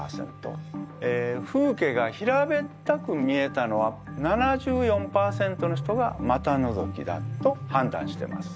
風景が平べったく見えたのは７４％の人が股のぞきだと判断してます。